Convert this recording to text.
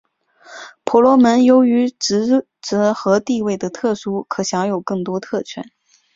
婆罗门由于职责和地位的特殊可享有许多特权。